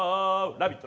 「ラヴィット！」